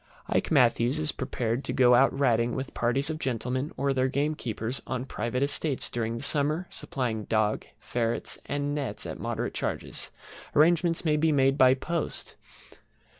IKE MATTHEWS is prepared to go out Ratting with parties of gentlemen or their gamekeepers on their private estates during the summer, supplying dog, ferrets, and nets, at moderate charges. Arrangements may be made by post.